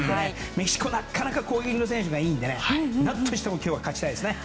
メキシコなかなか攻撃の選手がいいので何としても今日は勝ちたいですね。